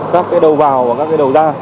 các cái đầu vào và các cái đầu ra